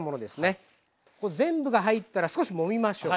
全部が入ったら少しもみましょう。